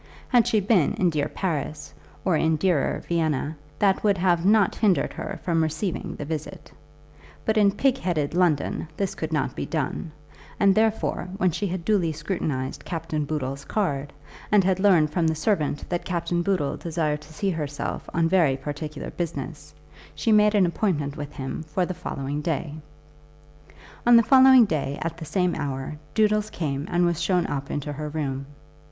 Had she been in dear Paris, or in dearer Vienna, that would have not hindered her from receiving the visit; but in pigheaded London this could not be done; and, therefore, when she had duly scrutinized Captain Boodle's card, and had learned from the servant that Captain Boodle desired to see herself on very particular business, she made an appointment with him for the following day. On the following day at the same hour Doodles came and was shown up into her room.